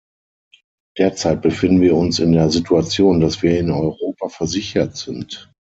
Derzeit befinden wir uns in der Situation, dass wir in Europa versichert sind.